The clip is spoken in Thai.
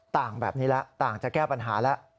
ต่างแบบนี้แล้วต่างจะแก้ปัญหาแล้ว